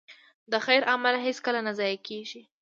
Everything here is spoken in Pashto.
د خیر عمل هېڅکله نه ضایع کېږي.